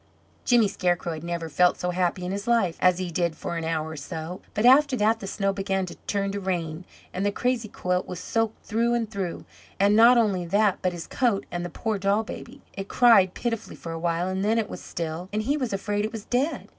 Jimmy Scarecrow had never felt so happy in his life as he did for an hour or so. But after that the snow began to turn to rain, and the crazy quilt was soaked through and through: and not only that, but his coat and the poor doll baby. It cried pitifully for a while, and then it was still, and he was afraid it was dead.